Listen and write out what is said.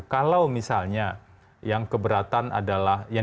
kalau misalnya yang keberatan adalah yang